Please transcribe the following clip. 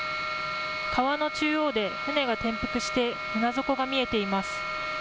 川の中央で船が転覆して船底が見えています。